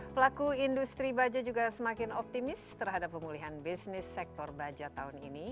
pelaku industri baja juga semakin optimis terhadap pemulihan bisnis sektor baja tahun ini